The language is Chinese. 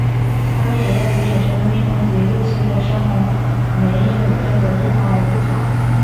它们也要与野生的蜜蜂及入侵的深红玫瑰鹦鹉争夺地方来筑巢。